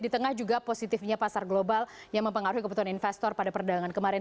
di tengah juga positifnya pasar global yang mempengaruhi kebutuhan investor pada perdagangan kemarin